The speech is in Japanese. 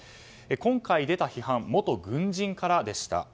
今回出た批判は元軍人からでした。